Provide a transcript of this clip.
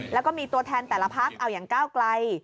แล้วก็มีตัวแทนแต่ละพักเอาอย่างก้าวไกล